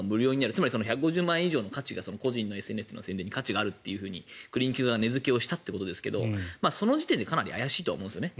つまり１５０万円以上が個人のＳＮＳの宣伝に価値があるとクリニック側は値付けをしたということですがその時点で怪しいと思うんですね。